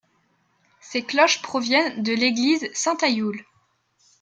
Ses cloches proviennent de l'église Saint-Ayoul.